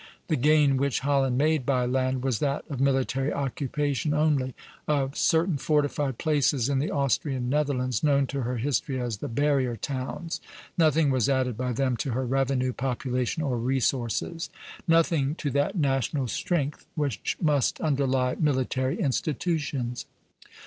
The gain which Holland made by land was that of military occupation only, of certain fortified places in the Austrian Netherlands, known to history as the "barrier towns;" nothing was added by them to her revenue, population, or resources; nothing to that national strength which must underlie military institutions.